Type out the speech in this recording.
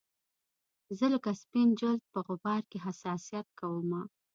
زه لکه سپین جلد په غبار کې حساسیت کومه